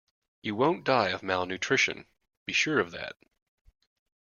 You won't die of malnutrition, be sure of that.